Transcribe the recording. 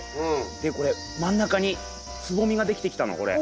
でこれ真ん中につぼみができてきたのこれ。